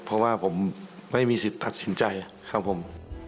เพราะว่าผมไม่มีสิทธิ์ตัดสินใจครับผม